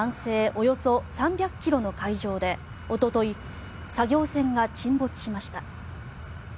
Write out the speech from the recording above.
およそ３００ｋｍの海上でおととい作業船が沈没しました。